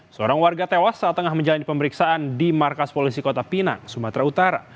seorang warga tewas saat tengah menjalani pemeriksaan di markas polisi kota pinang sumatera utara